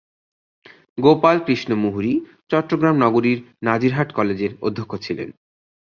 গোপাল কৃষ্ণ মুহুরী চট্টগ্রাম নগরীর নাজিরহাট কলেজের অধ্যক্ষ ছিলেন।